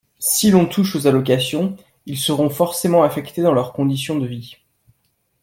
Si l’on touche aux allocations, ils seront forcément affectés dans leurs conditions de vie